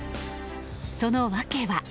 その訳は。